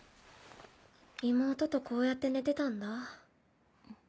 妹とこうやって寝てたんだ。